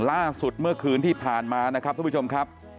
ล่าสุดเมื่อคืนที่ผ่านมานะครับทุกผู้ชมครับ